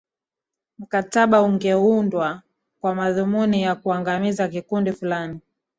mkataba ungeundwa kwa madhumuni ya kuangamiza kikundi fulani